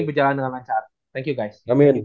berjalan dengan lancar thank you guys